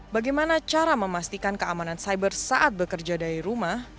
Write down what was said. bagaimana cara memastikan keamanan cyber saat bekerja dari rumah